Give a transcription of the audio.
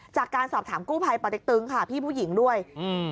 จากการสอบถามกู้ภัยปเต็กตึงค่ะพี่ผู้หญิงด้วยอืม